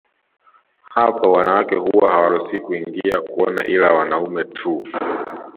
Hapo wanawake huwa hawaruhusiwi kuingia kuona ila wanaume tu